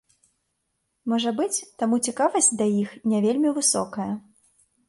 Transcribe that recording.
Можа быць, таму цікавасць да іх не вельмі высокая.